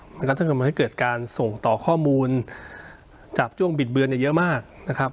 มันก็จะมีเกิดการส่งต่อข้อมูลจากช่วงบิดเบือนเนี่ยเยอะมากนะครับ